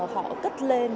họ cất lên